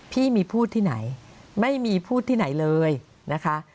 พี่มีพูดที่ไหนไม่มีพูดที่ไหนเลยนะคะ